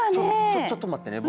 ちょちょっと待ってね！